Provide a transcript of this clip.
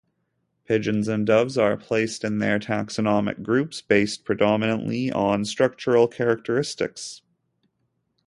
Pigeons and doves are placed in their taxonomic groups based predominantly on structural characteristics.